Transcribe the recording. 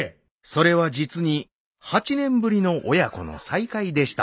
それは実に８年ぶりの親子の再会でした。